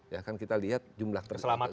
ya kan kita lihat jumlah tersebut